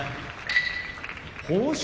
豊昇